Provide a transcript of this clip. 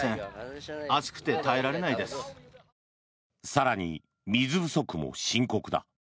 更に、水不足も深刻だ。